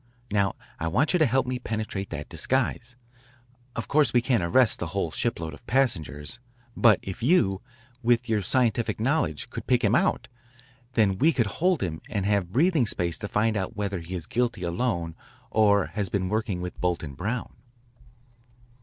Now I want you to help me penetrate that disguise. Of course we can't arrest the whole shipload of passengers, but if you, with your scientific knowledge, could pick him out, then we could hold him and have breathing space to find out whether he is guilty alone or has been working with Bolton Brown."